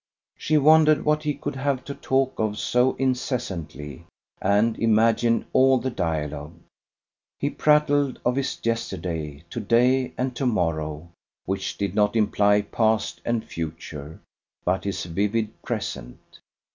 She wondered what he could have to talk of so incessantly, and imagined all the dialogue. He prattled of his yesterday, to day, and to morrow, which did not imply past and future, but his vivid present.